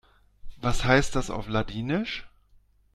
Was heißt das auf Ladinisch?